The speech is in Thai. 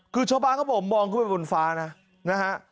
คือชาวบ้านของผมมองขึ้นไปบนฟ้านะฮะ